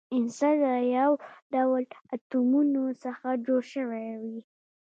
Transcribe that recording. عنصر له یو ډول اتومونو څخه جوړ شوی وي.